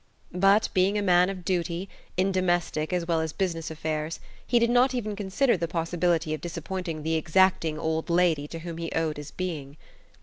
But being a man of duty, in domestic as well as business affairs, he did not even consider the possibility of disappointing the exacting old lady to whom he owed his being.